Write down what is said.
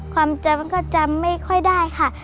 ความจำก็จะไม่ค่อยได้ค่ะ